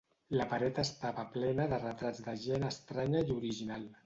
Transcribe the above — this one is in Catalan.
La paret estava plena de retrats de gent estranya i original.